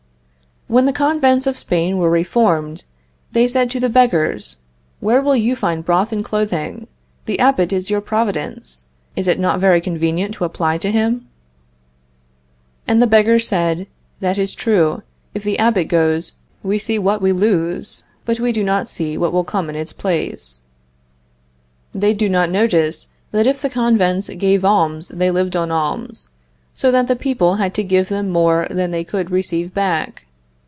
When the convents of Spain were reformed, they said to the beggars, "Where will you find broth and clothing? The Abbot is your providence. Is it not very convenient to apply to him?" And the beggars said: "That is true. If the Abbot goes, we see what we lose, but we do not see what will come in its place." They do not notice that if the convents gave alms they lived on alms, so that the people had to give them more than they could receive back.